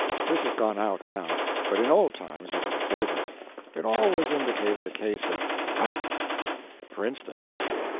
This has gone out, now, but in old times it was a favorite. It always indicated a case of "wrath." For instance